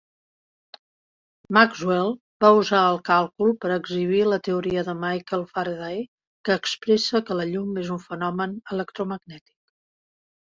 Maxwell va usar el càlcul per a exhibir la teoria de Michael Faraday, que expressa que la llum és un fenomen electromagnètic.